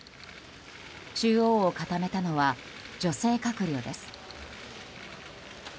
中央を固めたのは女性閣僚です。